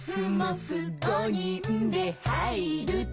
「５にんではいると」